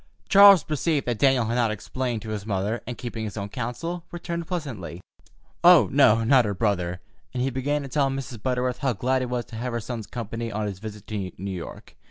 Charles perceived that Daniel had not explained to his mother, and, keeping his own counsel, returned pleasantly: "Oh, no, not her brother," and he began to tell Mrs. Butterworth how glad he was to have her son's company on his visit to New York.